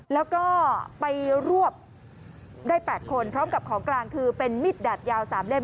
แล้วก็ไปรวบได้๘คนพร้อมกับของกลางคือเป็นมิดดาบยาว๓เล่ม